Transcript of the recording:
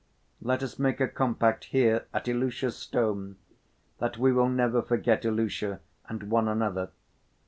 Let us make a compact here, at Ilusha's stone, that we will never forget Ilusha and one another.